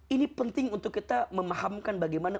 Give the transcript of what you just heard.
ini penting untuk kita memahamkan bagaimana